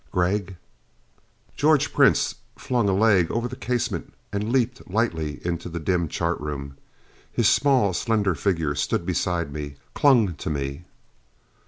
"Gregg." George Prince flung a leg over the casement and leaped lightly into the dim chart room. His small slender figure stood beside me, clung to me.